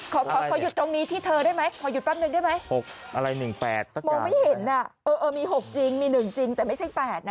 ขอหยุดตรงนี้ที่เธอได้ไหมขอหยุดแป๊บนึงได้ไหม๖อะไร๑๘สักมองไม่เห็นมี๖จริงมี๑จริงแต่ไม่ใช่๘นะ